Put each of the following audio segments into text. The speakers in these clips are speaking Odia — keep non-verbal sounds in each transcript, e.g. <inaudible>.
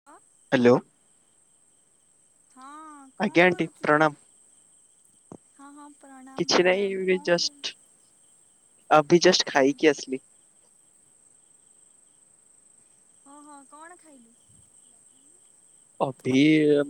<inaudible> ହ୍ୟାଲୋ। ହଁ। କଣ ଆଜ୍ଞା ଆଣ୍ଟି କରୁଛୁ? ପ୍ରଣାମ। ହଁ ହଁ ପ୍ରଣାମ କିଛି ନାହିଁ ପ୍ରଣାମ ଏବେ କଣ କୁ ଜଷ୍ଟ ଅଭି ଜଷ୍ଟ ଖାଇକି ଆସିଲି। ହଁ ହଁ କଣ ଖାଇଲୁ? ଅଭି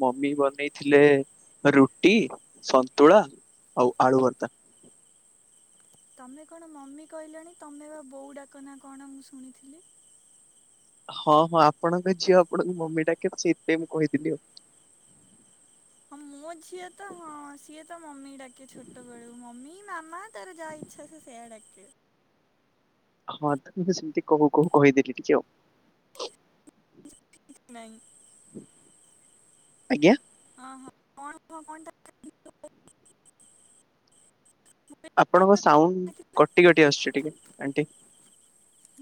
ମମି ବନେଇଥିଲେ ରୁଟି ସନ୍ତୁଳା ଅଉ ଆଳୁ ଭର୍ତା। ତମେ କଣ ମମି କହିଲଣି ତମେ ବା ବୋଉ ଡାକନା କଣ ମୁଁ ଶୁଣିଥିଲି? ହଁ ହଁ ଆପଣଙ୍କ ଝିଅ ଆପଣଙ୍କୁ ମମି ଡାକେ ତ ସେଇଥି ପାଇଁ ମୁଁ କହିଦେଲି ଆଉ। ହଁ ମୋ ଝିଅ ତ ହଁ ସିଏ ତ ମମି ଡାକେ ଛୋଟ ବେଳୁ ମମି ମାମା ତାର ଯାହା ଇଛା ସେଇଆ ଡାକେ। ହଁ ତ ସେମିତି କହୁ କହୁ କହିଦେଲି ଟିକେ ଆଉ। କିଛି ନାଇଁ। ଆଜ୍ଞା। ହଁ ହଁ କଣ କ କଣା <unintelligible> ଆପଣଙ୍କ ସାଉଣ୍ଡ କଟି କଟି ଆସୁଛି ଟିକେ ଆଣ୍ଟି।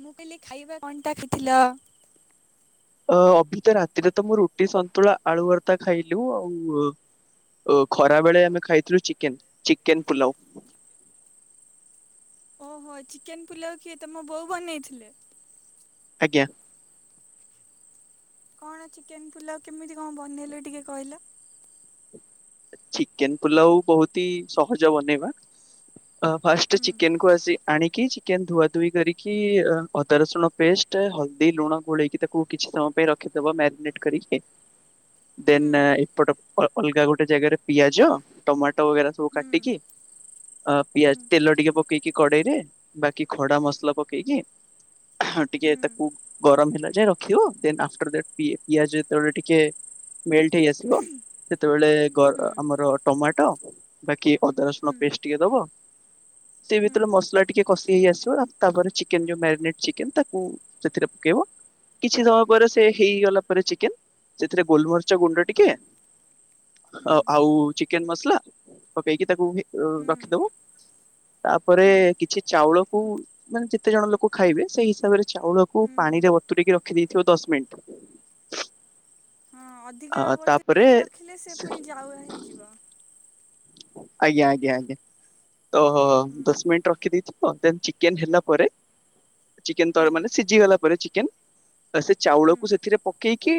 ମୁଁ କହିଲି ଖାଇବା କଣଟା <unintelligible> ଖାଇଥିଲ? ଅ ଅଭି ତ ରାତିରେ ତ ମୁଁ ରୁଟି ସନ୍ତୁଳା ଆଳଭର୍ତା ଖାଇଲୁ ଆଉ ଓ ଖରା ବେଳେ ଆମେ ଖାଇଥିଲୁ ଚିକେନ୍ ଚିକେନ୍ ପୁଲାଉ। ଓହୋ ଚିକେନ୍ ପୁଲାଉ କିଏ ତମ ବୋଉ ବନେଇଥିଲେ? ଆଜ୍ଞା। କଣ ଚିକେନ୍ ପୁଲାଉ କେମିତି କଣ ବନେଇଲେ ଟିକେ କହିଲ? ଚିକେନ୍ ପଲାଉ ବହୁତ ହି ସହଜ ବନେଇବା। ଅ ଫାଷ୍ଟ ହୁଁ ଚିକେନ୍ କୁ ଆସି ଆଣିକି ଚିକେନ ଧୁଆ ଧୁଇ କରିକି ଅଦା ରସୁଣ ପେଷ୍ଟ ହଳଦୀ ଲୁଣ ଗୋଳେଇକି ତାକୁ କିଛି ସମୟ ପାଇଁ ରଖିଦଵା ମ୍ୟାରିନେଟ୍ କରିକି। ଆଜ୍ <inaudible> ଦେନ୍ ଏପଟ ଅଲଗା ଗୋଟେ ଜାଗାରେ ପିଆଜ ଟମାଟୋ ବଗେରା ସବୁ ହୁଁ କାଟିକି ଅ ହୁଁ ପିଆଜ ତେଲ ଟିକେ ପକେଇକି କଡେଇରେ ବାକି ଖଡା ମସଲା ପକେଇକି ଟିକେ ହୁଁ। ତାକୁ ଗରମ ହେଲା ଯାଏ ରଖିବ। ଦେନ୍ ଆଫ୍ଟର ଦେନ୍ ପିଏ ପିଆଜ ଯେତେବେଳେ ଟିକେ ମେଲଟ୍ ହେଇ ଆସିବ ସେତେବେଳେ ହୁଁ ଆମର ଟମାଟୋ ବାକି ଅଦା ହୁଁ ରସୁଣ ପେଷ୍ଟ ଟିକେ ଦବ। ସେ ହୁଁ ଭିତରେ ମସଲା ଟିକେ କଷି ହେଇ ଆସିବ ତାପରେ ଚିକେନ ଯୋଉ ମାରିନେଟ୍ ଚିକେନ ତାକୁ ସେଥିରେ ପକେଇବ। କିଛି ସମୟ ପରେ ସେ ହେଇଗଲା ପରେ ଚିକେନ୍ ସେଥିରେ ଗୋଲମରିଚ ଗୁଣ୍ଡ ଟିକେ ହୁଁ ଆଉ ଚିକେନ ମସଲା ପକେଇକି ତାକୁ ବି ହୁଁ ରଖିଦବୁ। ତାପରେ ହୁଁ କିଛି ଚାଉଳ କୁ ମାନେ ଯେତେ ଜଣ ଲୋକ ଖାଇବେ ସେଇ ହିସାବରେ ଚାଉଳକୁ ହୁଁ ହୁଁ ପାଣି ରେ ବତୁୁରେଇକି ରଖିଦେଇଥିବ ଦଶ ମିନିଟ୍। ହଁ, ଅଧିକା ତାପରେ ବତୁରେଇକି ରଖିଲେ ସେ ପୁଣି ଜାଉଆ ହେଇଯିବ। ଆଜ୍ଞା ଆଜ୍ଞା ଆଜ୍ଞା। ତ ହୁଁ ଦଶ ମିନିଟ ରଖିଦେଇଥିବ ଦେନ୍ ଚିକେନ୍ ହେଲା ପରେ ଚିକେନ ତଳେ ହୁଁ ମାନେ ସିଝିଗଲା ପରେ ଚିକେନ୍। ତାପରେ ସେ ହୁଁ ଚାଉଳକୁ ସେଥିରେ ପକେଇକି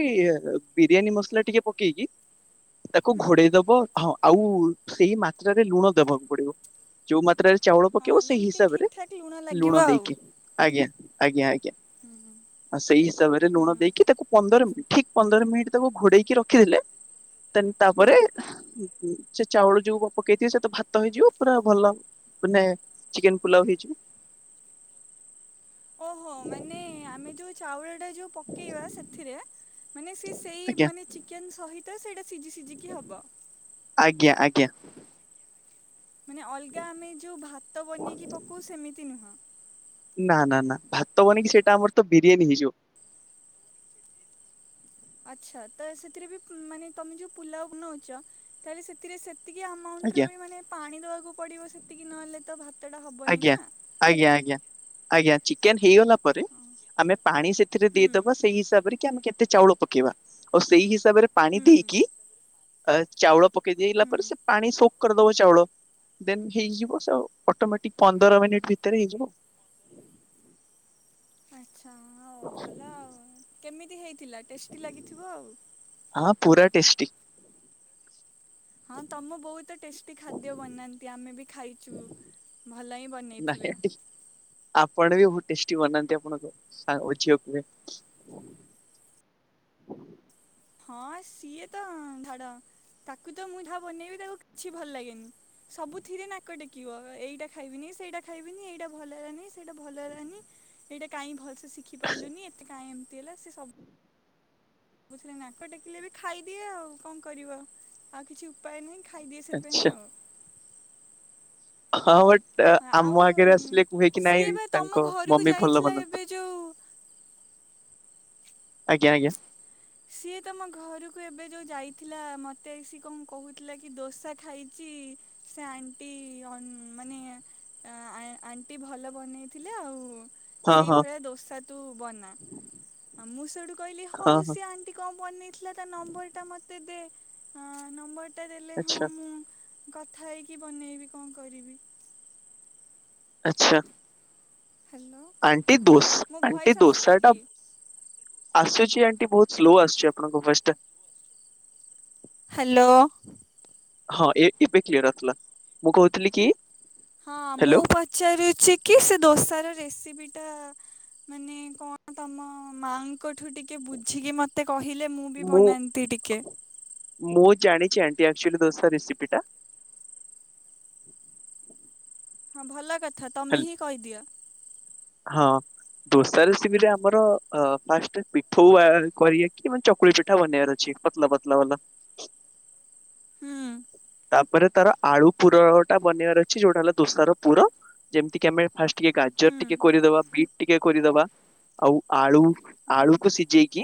ବିରିୟାନୀ ମସଲା ଟିକେ ପକେଇକି ତାକୁ ହୁଁ ଘୋଡେଇ ଦବ ହଁ, ଆଉ ସେଇ ମାତ୍ରାରେ ଲୁଣ ଦେବାକୁ ପଡିବ। ଯୋଉ ମାତ୍ରାରେ ଚାଉଳ ହଁ ପକେଇବ ସେଇ ଯେମିତି ଠିକ୍ ହିସାବରେ ଠାକ୍ ଲାଗିବ ଲୁଣ ଆଉ। ଦେଇକି। ଆଜ୍ଞା ଆଜ୍ଞା ଆଜ୍ଞା। ହୁଁ ଆଉ ସେଇ ହିସାବରେ ହୁଁ ଲୁଣ ଦେଇକି ତାକୁ ପନ୍ଦର ମିନିଟ୍, ଠିକ ପନ୍ଦର ମିନିଟ୍ ତାକୁ ଘୋଡେଇକି ରଖିଦେଲେ ଦେନ୍ ହୁଁ ତାପରେ ସେ ଚାଉଳ ଯୋଉ ପକେଇଥିବେ ସେ ତ ଭାତ ହେଇଯିବ ପୁରା ଭଲ ମାନେ ଚିକେନ ପଲାଉ ହେଇଯିବ। ଓହୋ, ମାନେ ଆମେ ଯୋଉ ଚାଉଳ ଟା ଯୋଉ ପକେଇବା ସେଥିରେ ମାନେ ସେ ସେଇ ଆଜ୍ଞା ମାନେ ଚିକେନ ସହିତ ସେଇଟା ସିଝି ସିଝିକି ହବ। ଆଜ୍ଞା ଆଜ୍ଞା। ମାନେ ଅଲଗା ଆମେ ଯୋଉ ଭାତ ବନେଇକି ପକଉ ସେମିତି ନୁହଁ। ନା ନା ନା ଭାତ ବନକି ସେଇଟା ଆମର ତ ବିରିୟାନୀ ହେଇଯିବ। ଆଚ୍ଛା, ତ ସେଥିରେ ବି ମାନେ ତମେ ଯୋଉ ପୁଲାଉ ବନଉଛ ତାହେଲେ ସେଥିରେ ସେତିକି ଆମାଉଣ୍ଟରେ ଆଜ୍ଞା ବି ମାନେ ପାଣି ଦବାକୁ ପଡିବ ସେତିକି ନହେଲେ ତ ଭାତ ଟା ହବନି ଆଜ୍ଞା ନା। ଆଜ୍ଞା ଆଜ୍ଞା ଆଜ୍ଞା ଚିକେନ୍ ହେଇଗଲା ପରେ ହଁ ଆମେ ପାଣି ସେ ସେଥିରେ ହୁଁ ଦେଇଦବା ସେଇ ହିସାବରେ କି ଆମେ କେତେ ଚାଉଳ ପକେଇବା। ଆଉ ସେଇ ହିସାବରେ ପାଣି ହୁଁ ଦେଇକି ଚାଉଳ ପକେଇ ଦେଇଲା ହୁଁ ପରେ ସେ ପାଣି ସୋକ୍ କରିଦବ ଚାଉଳ। ଦେନ୍ ହେଇଯିବ ସେ ଆଉ। ଅଟୋମେଟିକ ପନ୍ଦର ମିନିଟ୍ ଭିତରେ ହେଇଯିବ। ହଉ ଭଲ ଆଉ। କେମିତି ହେଇଥିଲା ଟେଷ୍ଟି ଲାଗିଥିବ ଆଉ। ପୁରା ଟେଷ୍ଟି। ହଁ ତମ ବୋଉ ତ ଟେଷ୍ ଟେଷ୍ଟି ଖାଦ୍ୟ ବନାନ୍ତି, ଆମେ ବି ଖାଇଛୁ ଭଲ ହିଁ ନାଇଁ ବନେଇଥିବେ। ଆଣ୍ଟି ଆପଣ ବି ବହୁତ ଟେଷ୍ଟି ବନାନ୍ତି ଆପଣଙ୍କ ସାନ ଝିଅ କୁହେ। ହଁ ସିଏ ତ ଧାଡ। ତାକୁ ତ ମୁଁ ଯାହା ବନେଇବି ତାକୁ କିଛି ଭଲ ଲାଗେନି। ସବୁଥିରେ ନାକ ଟେକିବ। ଏଇଟା ଖାଇବିନି, ସେଇଟା ଖାଇବିନି, ଏଇଟା ଭଲ ହେଲାନି, ସେଇଟା ଭଲ ହେଲାନି। ଏଇଟା କାହିଁ ଭଲସେ ଶିଖି ପାରିଲୁନି ଏତେ କାଇଁ ଏମିତି ହେଲା ସେ ସବୁ ସବୁଥିରେ ନାକ ଟେକିଲେ ବି ଖାଇଦିଏ ଆଉ କଣ କରିବ ଆଉ କିଛି ଉ ଉପାୟ ନାହିଁ ଖାଇଦିଏ ସେଥିପାଇଁ ଆଚ୍ଛା ଆଉ। ହଁ ବଟ୍ ଆଉ ଆମ ଆଗରେ ଆସିଲେ କୁହେ କି ସିଏ ନାଇଁ ବା ତମ ତାଙ୍କ ଘରକୁ ମମ୍ମି ଭଲ ଯାଇଥିଲା ବନାନ୍ତି। ଏବେ ଯୋଉ ଆଜ୍ଞା ଆଜ୍ଞା। ସିଏ ତମ ଘରକୁ ଏବେ ଯୋଉ ଯାଇଥିଲା, ମତେ ସିଏ କଣ କହୁଥିଲା କି ଦୋସା ଖାଇଛି? ସେ ଆଣ୍ଟି ଅ-ମାନେ ଆ-ଆଣ୍ଟି ଭଲ ବନେଇଥିଲେ ଆଉ। ହଁ ସେଇ ହଁ ଭଳିଆ ଦୋସା ତୁ ବନା। ମୁଁ ସେଉଠୁ କହିଲି ହଁ ହଉ। ହଁ ସେ ଆଣ୍ଟି କଣ ବନେଇଥିଲା? ତା ନମ୍ବରଟା ମତେ ଦେ ନମ୍ବରଟା ଦେଲେ ହଁ ଆଚ୍ଛା ମୁଁ କଥା ହେଇକି ବନେଇବି କଣ କରିବି? ଆଚ୍ଛା। ହ୍ୟାଲୋ ଆଣ୍ଟି ଦୋସ୍ ମୋ ଆଣ୍ଟି ଭଏସ୍ ଆସୁନି ଦୋସାଟା କି? ଆସୁଛି ଆଣ୍ଟି ବହୁତ ସ୍ଲୋ ଆସୁଛି ଆପଣଙ୍କ ଭଏସ୍ ଟା। ହ୍ୟାଲୋ। ହଁ ଏ ଏବେ କ୍ଲିୟର ଆସିଲା। ମୁଁ କହୁଥିଲି କି ହଁ ମୁଁ ହ୍ୟାଲୋ ପଚାରୁଛି କି ସେ ଦୋସାର ରେସିପି ଟା ମାନେ କଣ ତମ ମାଙ୍କଠୁ ଟିକେ ବୁଝିକି ମତେ କହିଲେ ମୁଁ ବି ବନାନ୍ତି ଟିକେ। ମୁଁ ଜାଣିଛି ଆଣ୍ଟି, ଏକ୍ଚୁଲି ଦୋସା ରେସିପି ଟା। ହଁ ଭଲ କଥା। ତମେ ହେଲ ହିଁ କହିଦିଅ। ହଁ। ଦୋସା ରେସିପିରେ ଆମର ଫାଷ୍ଟ୍ ପିଠଉ କରିବା କି ଚକୁଳି ପିଠା ବନେଇବାର ଅଛି। ପତଲା ପତଲା ବାଲା। ହୁଁ ତାପରେ ତାର ଆଳୁ ପୁରଟା ବନେଇବାର ଅଛି ଯୋଉଟା ହେଲା ଦୋସାର ପୁର। ଯେମିତି କି ଆମେ ଫାଷ୍ଟ୍ ଟିକେ ଗାଜର ହୁଁ ଟିକେ କୋରିଦେବା ବିଟ୍ ଟିକେ କୋରିଦେବା। ଆଉ ଆଳୁ ହୁଁ ଆଳୁକୁ ସିଝେଇକି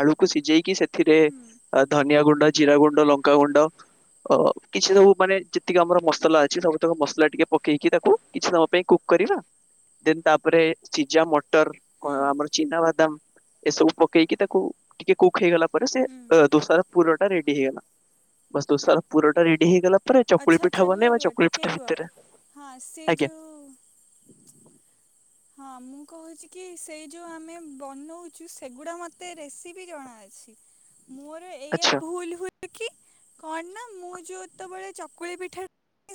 ଆଳୁକୁ ସିଝେଇକି ସେଥିରେ ହୁଁ। ଧନିଆ ଗୁଣ୍ଡ, ଜିରା ଗୁଣ୍ଡ, ଲଙ୍କାଗୁଣ୍ଡ, ଅ କିଛି ସବୁ ମାନେ ଯେତିକି ଆମର ମସଲା ଅଛି ସବୁତକ ମସଲା ଟିକେ ପକେଇକି ତାକୁ କିଛି ସମୟ ପାଇଁ କୁକ୍ କରିବା। ଦେନ୍ ତା ପରେ ସିଝା ମଟର, ହୁଁ କଣ ଆମର ଚିନା ବାଦାମ ଏସବୁ ପକେଇକି ତାକୁ ଟିକେ କୁକ୍ ହେଇଗଲା ପରେ ସେ ହୁଁ ଦୋଷାର ପୁରଟା ରେଡି ହେଇଗଲା। ବାସ୍ ଦୋଷାର ପୁରଟା ରେଡି ହେଇଗଲା ପରେ ଚକୁଳି ଆଚ୍ଛା ଆଚ୍ଛା ପିଠା ରୁହ ବନେଇବା। ରୁହ ଚକୁଳି ଟିକେ ପିଠା ରୁହ ଭିତରେ ହଁ ସେ ଆଜ୍ଞା। ଯୋଉ ହଁ ମୁଁ କହୁଛି କି ସେଇ ଯୋଉ ଆମେ ବନଉଛୁ ସେଗୁଡା ମତେ ରେସିପି ଜଣାଅଛି। ମୋର ଏଇଆ ଆଚ୍ଛା ଭୁଲ ହୁ କି କଣ ନା ମୁଁ ଯୋଉତେବେଳେ ଚକୁଳି ପିଠା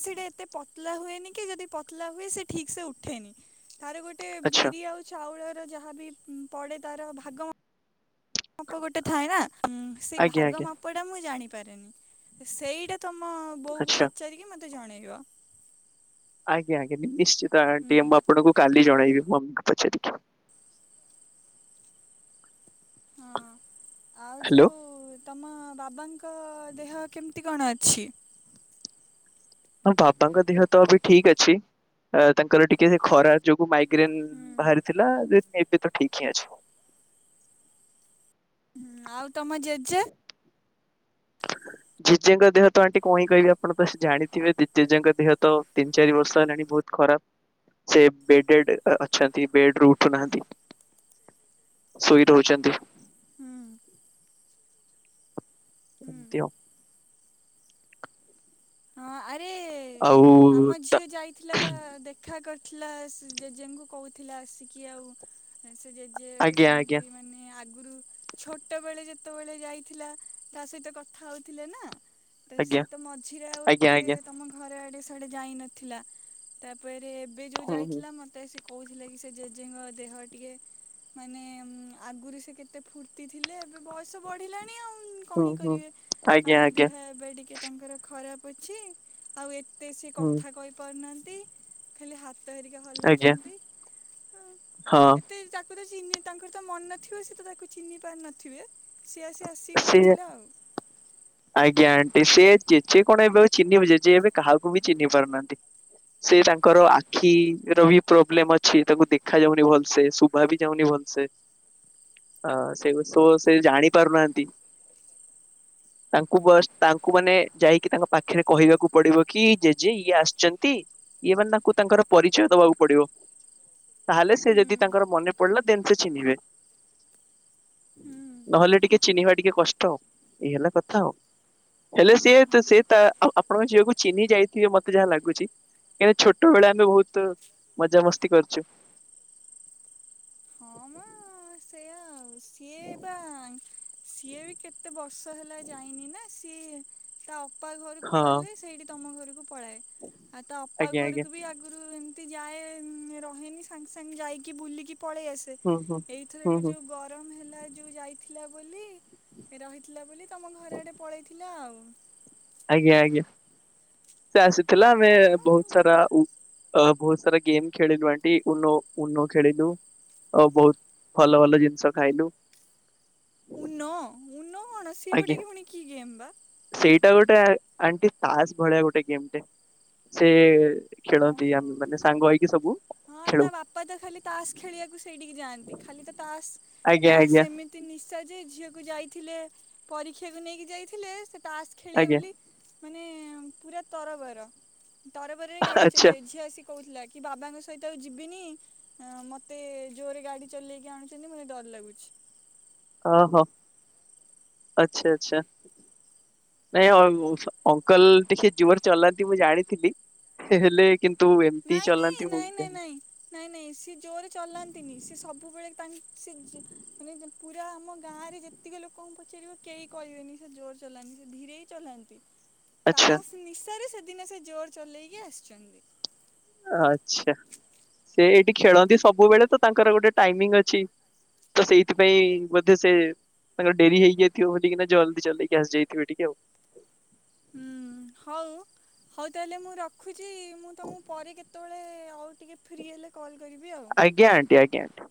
ସେଟା ଏତେ ପତଲା ହୁଏନି, କି ଯଦି ପତଲା ହୁଏ ସେ ଠିକ୍ ସେ ଉଠେନି। ତାର ଗୋଟେ ଆଚ୍ଛା ବିରି ଆଉ ଚାଉଳର ଯାହାବି ପଡେ ତାର ଭାଗ ମାପ ଗୋଟେ ଥାଏ ନା ସେଇ ଆଜ୍ଞା ଭାଗ ଆଜ୍ଞା ମାପଟା ମୁଁ ଜାଣି ପାରେନି। ସେଇଟା ତମ ବୋଉକୁ ଆଚ୍ଛା ପଚାରିକି ମତେ ଜଣେଇବ। ଆଜ୍ଞା ଆଜ୍ଞା ନିଶ୍ଚିତ ହୁଁ ଆଣ୍ଟି। ମୁଁ ଆପଣଙ୍କୁ କାଲି ଜଣେଇବି ମମ୍ମିଙ୍କୁ ପଚାରିକି। ହଁ। ଆଉ ହ୍ୟାଲୋ ଯୋଉ ତମ ବାବାଙ୍କ ଦେହ କେମିତି କଣ ଅଛି? ହଁ ବାବାଙ୍କ ଦେହ ତ ଏବେ ଠିକ୍ ଅଛି। ତାଙ୍କର ଟିକେ ସେ ଖରା ଯୋଗୁଁ ମାଇଗ୍ରେନ୍ ହୁଁ ବାହାରିଥିଲା। ଏବେ ତ ଠିକ୍ ହିଁ ଅଛି। ହୁଁ ଆଉ ତମ ଜେଜେ। ଜେଜେଙ୍କ ଦେହ ତ ଆଣ୍ଟି କଣ କହିବି? ଆପଣ ତ ଜାଣିଥିବେ ଜ-ଜେଜେଙ୍କ ଦେହ ତ ତିନି ଚାରି ବର୍ଷ ହେଲାଣି ବହୁତ ଖରାପ। ସେ ବେଡେଡ ଅଛନ୍ତି ବେଡରୁ ଉଠୁନାହାନ୍ତି। ଶୋଇ ଦଉଛନ୍ତି। ହୁଁ। ତି ଆଉ। ହଁ ଆରେ ଆଉ ଆମ ତା- ଝିଅ ଯାଇ ଥିଲା ବା ଦେଖା କରିଥିଲା ଜେଜେଙ୍କୁ କହୁଥିଲା ଆସିକି ଆଉ ସେ ଯେ ଆଜ୍ଞା ଆଜ୍ଞା ସେମିତି ମାନେ ଆଗରୁ ଛୋଟବେଳେ ଯେତେବେଳେ ଯାଇଥିଲା ତା ସହିତ କଥା ହଉଥିଲେ ନା ତ ଆଜ୍ଞା ସେ ତ ମ ଆଉ ଆଜ୍ଞା ଏତେ ଆଜ୍ଞା ତମ ଘର ଆଡେ ସିଆଡେ ଯାଇନଥିଲା ତାପରେ ଏବେ ଯୋଉ ହୁଁ ହୁଁ ଯାଇଥିଲା ମତେ ମତେ ଆସି କହୁଥିଲା କି ସେ ଜେଜେଙ୍କ ଦେହ ଟିକିଏ ମାନେ ଆଗରୁ ସେ କେତେ ଫୁର୍ତି ଥିଲେ ଏବେ ବୟସ ବଢିଲାଣି ଆଉ ହୁଁ କଣି ହୁଁ କରିବେ ଆଜ୍ଞା ଆଜ୍ଞା ଦେହ ଏବେ ଟିକିଏ ତାଙ୍କର ଦେହ ଖରାପ ଅଛି ଆଉ ଏତେ ସେ ହୁଁ କଥା କ କରୁନାହାନ୍ତି ଖାଲି ହାତ ହେରିକା ଆଜ୍ଞା ହଲଉଛନ୍ତି ହଁ ଏତେ ତାକୁ ତ ଚିହ୍ନି ତାଙ୍କର ତ ମନ ନଥିବ ସେ ତ ତାକୁ ଚିହ୍ନି ପାରି ନଥିବେ ସିଏ ଆସି ଆସି ସେ ସେ ଆଜ୍ଞା ଆଣ୍ଟି ସେ ଜେଜେ କଣ ଏବେ ଚିହ୍ନି ଜେଜେ ଏବେ କାହାକୁ ବି ଚିହ୍ନି ପାରୁନାହାନ୍ତି। ସେ ତାଙ୍କର ଆଖିର ବି ପ୍ରୋବ୍ଲେମ ଅଛି ତାଙ୍କୁ ଦେଖା ଯାଉନି ଭଲସେ ଶୁଭା ବି ଯାଉନି ଭଲସେ। ହ ଅ ସେ ତ ସେ ଜାଣି ପାରୁନାହାନ୍ତି। ତାଙ୍କୁ ବସ୍ ତାଙ୍କୁ ମାନେ ଯାଇକି ତାଙ୍କ ପାଖରେ କହିବାକୁ ପଡିବ କି ଜେଜେ ଇଏ ଆସିଛନ୍ତି ଇଏ ମାନେ ତାଙ୍କୁ ତାଙ୍କର ପରିଚୟ ଦବାକୁ ପଡିବ। ତାହେଲେ ସେ ହୁଁ ଯଦି ତାଙ୍କର ମନେ ପଡିଲା ଦେନ ସେ ଚିହ୍ନିବେ। ହୁଁ ନହେଲେ ଟିକିଏ ଚିହ୍ନିବା ଟିକିଏ କଷ୍ଟ ଏଇ ହେଲା କଥା ଆଉ ହେଲେ ଅ ସିଏ ହଁ। ତ ସେ ତ ଆପଣଙ୍କ ଝିଅକୁ ଚିହ୍ନି ଯାଇଥିବେ ମତେ ଯାହା ଲାଗୁଛି। କାକି ଛୋଟ ବେଳେ ଆମେ ବହୁତ ମଜାମସ୍ତି କରିଛୁ ହଁ ମା ସେ ଆଉ ସିଏ ବା ସିଏ ବି କେତେ ବର୍ଷ ହେଲା ଯାଇନି ନା ସିଏ ତା ଅପା ଘରକୁ ହଁ ଗଲେ ସେଇଠି ତମ ଘରକୁ ପଳାଏ ଆଉ ତା ଅପା ଆଜ୍ଞା ଆଜ୍ଞା ଘରକୁ ବି ଆ ଏମତି ଯାଏ ରହେନି ସାଙ୍ଗେ ସାଙ୍ଗେ ଯାଇକି ବୁଲିକି ପଳେଇ ଆସେ ହୁଁ ହୁଁ ଏଇଥର ହୁଁ ଏବେ ହୁଁ। ଯୋଉ ଗରମ ହେଲା ଯୋଉ ଯାଇଥିଲା ବୋଲି ରହିଥିଲା ବୋଲି ତମ ଘରେ ଆଡେ ପଳେଇଥିଲା ଆଉ। ଆଜ୍ଞା ଆଜ୍ଞା ସେ ଆସିଥିଲା ଆମେ ହଁ ମ ବହୁତ ସାରା ଅ ବହୁତ ସାରା ଗେମ୍ ଖେଳିଲୁ ଆଟି ଉନୋ ଉ ନୋ ଖେଳିଲୁ। ଆଉ ବହୁତ ଭଲ ଭଲ ଜିନିଷ ଖାଇଲୁ। ଉନ ଉନ କଣ ସିଏ ଗୋଟିଏ ପୁଣି କି ଗେମ୍ ବା? ହେଇଟା ଗୋଟିଏ ଆଣ୍ଟି ତାସ ଭଳିଆ ଗୋଟେ ଗେମ୍ ଟେ ସେ ଖେଳନ୍ତି ଓହୋ। ଆମେ ମାନେ ସାଙ୍ଗ ହେଇକି ସବୁ ହଁ ଖେଳୁ ତା ବାପା ତ ଖାଲି ତାସ ଖେଳିବାକୁ ସେଇଠିକି ଯାଆନ୍ତି ଖାଲି ତ ତାସ ଆଜ୍ଞା ତାସ୍ ଆଜ୍ଞା ସେମିତି ତି ନିଶା ଯେ ଝିଅକୁ ଯାଇଥିଲେ ପରୀକ୍ଷାକୁ ନେଇକି ଯାଇଥିଲେ ସେ ତାସ୍ ଖେଳିବେ ଆଜ୍ଞା ବୋଲି ମାନେ ପୁରା ତରବର ତରବରରେ ଗାଡି ଆଚ୍ଛା ଚଲେଇ ଝିଅ ଆସି କହୁଥିଲା କି ବାବାଙ୍କ ସହିତ ଆଉ ଯିବିନି ମତେ ଜୋରରେ ଗାଡି ଚଲେଇକି ଆଣୁଛନ୍ତି ମତେ ଡର ଲାଗୁଛି। ଓ ହୋ ଆଚ୍ଛା ଆଚ୍ଛା। ନାଇଁ ଅଙ୍କଲ ଟିକେ ଜୋରରେ ଚଲାନ୍ତି ମୁଁ ଜାଣିଥିଲି ହେଲେ। କିନ୍ତୁ-ଉ ଏମିତି ନାଇଁ ନାଇଁ ଚଲାନ୍ତି ନାଇଁ ହେଉଥିଲେ ନାଇଁ ନାଇଁ ନାଇଁ ନାଇଁ ସିଏ ଜୋରେ ଚଲାନ୍ତିନି ସେ ସବୁବେଳେ ତାଙ୍କ ସେ ଯ ମାନେ ପୁରା ଆମ ଗାଁରେ ଯେ ତିକ ଲୋକଙ୍କୁ ପଚାରିବ କେହି କହିବେନି ସେ ଜୋର ଚଲାନ୍ତିି ସେ ଧୀରେ ହି ଚଲାନ୍ତି। ଆଚ୍ଛା ତାସ୍ ନିଶାରେ ସେଦିନ ସେ ଜୋର ଚଲେଇକି ଆସିଛନ୍ତି। ଆଚ୍ଛା ସେ ଏଇଠି ଖେଳନ୍ତି ସବୁବେଳେ ତ ତାଙ୍କର ଗୋଟେ ଟାଇମିଂ ଅଛି। ତ ସେଇଥିପାଇଁ-ଇ-ଇ ବୋଧେ ସେ ତାଙ୍କର ଡେରି ହେଇଯାଇଥିବ ବୋଲିକିନା ଜଲଦି ଚଲେଇକି ଆସିଯାଇଥିବେ ଟିକେ ଆଉ। ହୁଁ ହଉ ହଉ ତାହେଲେ ମୁଁ ରଖୁଛି ମୁଁ ତମକୁ ପରେ କେତେ ତେବେଳେ ଆଉ ଟିକେ ଫ୍ରି ହେଲେ କଲ୍ କରିବି ଆଉ। ଆଜ୍ଞା ଆଣ୍ଟି ଆଜ୍ଞା ଆଣ୍ଟି।